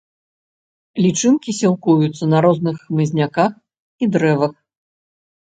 Лічынкі сілкуюцца на розных хмызняках і дрэвах.